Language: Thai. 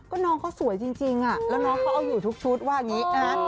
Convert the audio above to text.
ก็น้องเขาสวยจริงแล้วน้องเขาเอาอยู่ทุกชุดว่าอย่างนี้นะฮะ